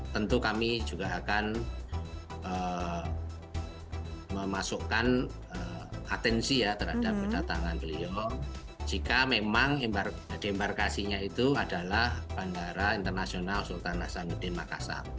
tentu kami juga akan memasukkan atensi ya terhadap kedatangan beliau jika memang dembarkasinya itu adalah bandara internasional sultan hasanuddin makassar